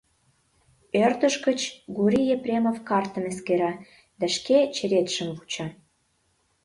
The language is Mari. Ӧрдыж гыч Гурий Епремов картым эскера да шке черетшым вуча.